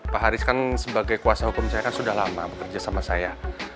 pak haris kan sebagai kuasa hukum saya kan sudah lama bekerja sama saya